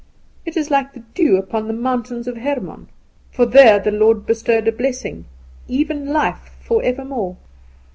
It is like the dew upon the mountains of Hermon; for there the Lord bestowed a blessing, even life for evermore."